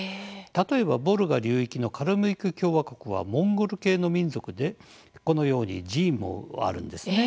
例えば、ボルガ流域のカルムイク共和国はモンゴル系の民族でこのように寺院もあるんですね。